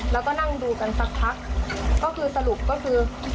แล้วก็นั่งดูกันสักพักก็คือสรุปก็คือ